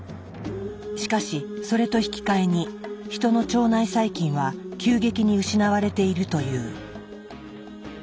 しかしそれと引き換えに人の腸内細菌は急激に失われているという。